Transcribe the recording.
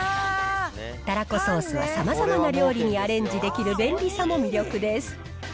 たらこソースはさまざまな料理にアレンジできる便利さも魅力です。